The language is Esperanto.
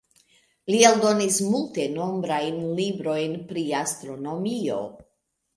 Li eldonis multenombraj librojn pri astronomio.